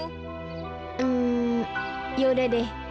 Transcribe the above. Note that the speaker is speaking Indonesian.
hmm yaudah deh